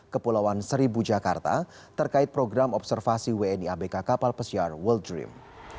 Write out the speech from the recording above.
kepulauan seribu jakarta terkait program observasi wni abk kapal pesiar world dream